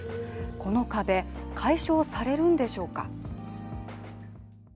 この壁、解消されるんでしょうか。